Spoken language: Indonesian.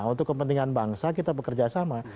untuk kepentingan bangsa kita bekerja sama